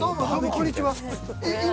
こんにちは今。